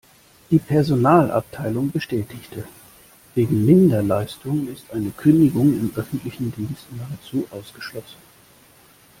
Die Personalabteilung bestätigte: Wegen Minderleistung ist eine Kündigung im öffentlichen Dienst nahezu ausgeschlossen.